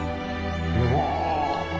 うわ。